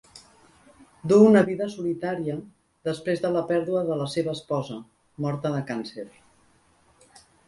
Duu una vida solitària després de la pèrdua de la seva esposa, morta de càncer.